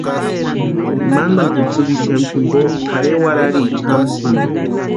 Mantani kutsï diciembre jimpo tʼarhe warhariecha jamasïnti.